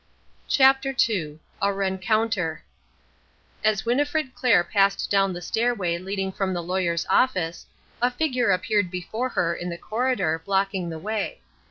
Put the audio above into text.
CHAPTER II A RENCOUNTER As Winnifred Clair passed down the stairway leading from the Lawyer's office, a figure appeared before her in the corridor, blocking the way.